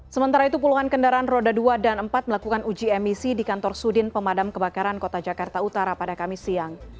sementara itu puluhan kendaraan roda dua dan empat melakukan uji emisi di kantor sudin pemadam kebakaran kota jakarta utara pada kamis siang